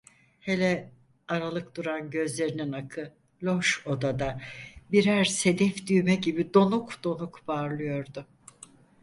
Hele aralık duran gözlerinin akı, loş odada, birer sedef düğme gibi donuk donuk parlıyordu.